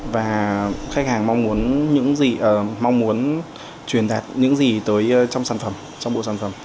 và khách hàng mong muốn chuyển đạt những gì tới trong sản phẩm trong bộ sản phẩm